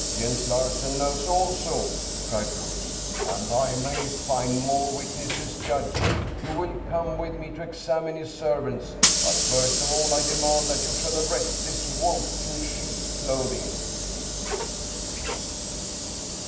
" Jens Larsen knows also," cried Bruus, " and I may find more witnesses. Judge ! You will come with me to ex 289 Scandinavian Mystery Stories amine his servants. But first of all I demand that you shall arrest this wolf in sheep's clothing."